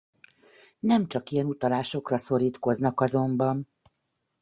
Nemcsak ilyen utalásokra szorítkoznak azonban.